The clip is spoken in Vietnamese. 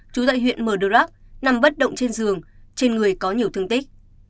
trú tại huyện mờ đức nằm vất động trên giường trên người có nhiều thương tích